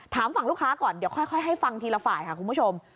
ฝั่งลูกค้าก่อนเดี๋ยวค่อยให้ฟังทีละฝ่ายค่ะคุณผู้ชม